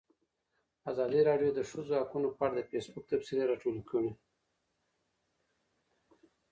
ازادي راډیو د د ښځو حقونه په اړه د فیسبوک تبصرې راټولې کړي.